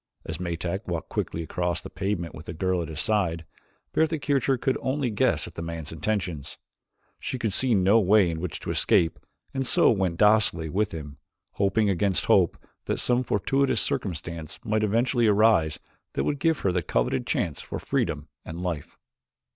As Metak walked quickly across the pavement with the girl at his side, Bertha Kircher could only guess at the man's intentions. She could see no way in which to escape and so she went docilely with him, hoping against hope that some fortuitous circumstance might eventually arise that would give her the coveted chance for freedom and life.